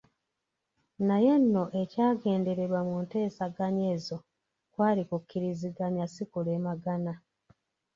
Naye nno ekyagendererwa mu nteeseganya ezo kwali kukkiriziganya si kulemagana.